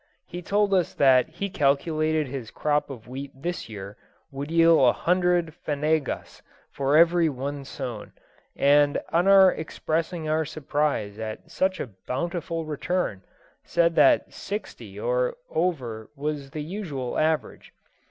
He told us that he calculated his crop of wheat this year would yield a hundred fanegas for every one sown; and, on our expressing our surprise at such a bountiful return, said that sixty or over was the usual average.